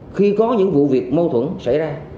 khi có những vụ việc mâu thuẫn xảy ra